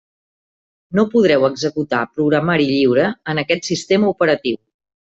No podreu executar programari lliure en aquest sistema operatiu.